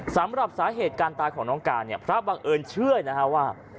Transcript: สำหรับสาเหตุการตายของน้องการเนี่ยพระบังเอิญเชื่อนะฮะว่า